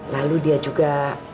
lalu dia juga